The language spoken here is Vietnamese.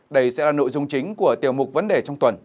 đây sẽ là nội dung chính của tiểu mục vấn đề trong tuần